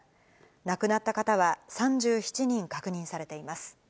亡くなった方は３７人確認されています。